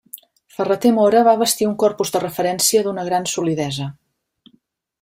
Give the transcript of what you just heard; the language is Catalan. Ferrater Mora va bastir un corpus de referència d'una gran solidesa.